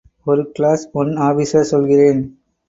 ஒரு class one officer சொல்றேன்.